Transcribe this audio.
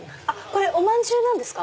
これおまんじゅうなんですか